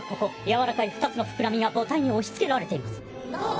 柔らかい２つの膨らみが母体に押し付けられています。